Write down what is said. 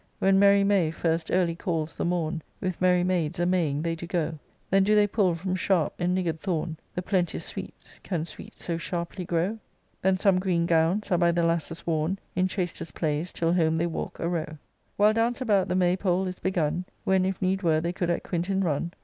When merry May first early calls the mom, With merry maids a Maying they do go : Then do they pull from sharp and niggard thorn The plenteous sweets (can sweets so sharply grow ?), Then some green gowns are by the lasses worn In chastest plays, till home they walk arow ; While cRtiiLC about the May pole is begun. When, if need were, they could at quintin run.